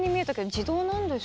自動なんです。